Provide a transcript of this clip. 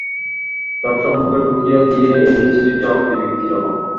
সব সম্পর্ক চুকিয়ে দিয়ে এলি, চিঠির জবাব দিবি কীরকম?